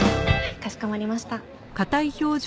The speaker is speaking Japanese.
かしこまりました。